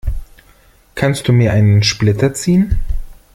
Kannst du mir einen Splitter ziehen?